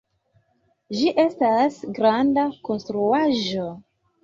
Ĝi estas granda konstruaĵo